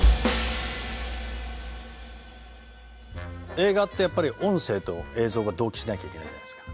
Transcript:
映画ってやっぱり音声と映像が同期しなきゃいけないじゃないですか。